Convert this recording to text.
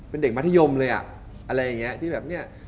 เป็นเด็กมัธยมเลยอ่ะอะไรอย่างนี้ที่แบบเนี่ย